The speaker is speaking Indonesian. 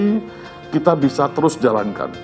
jadi kita bisa terus jalankan